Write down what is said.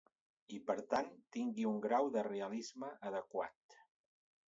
I per tant, tingui un grau de realisme adequat.